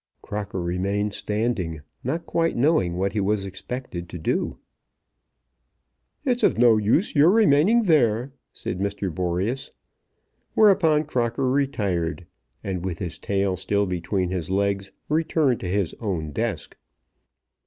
Crocker remained standing, not quite knowing what he was expected to do. "It's of no use your remaining there," said Sir Boreas. Whereupon Crocker retired, and, with his tail still between his legs, returned to his own desk.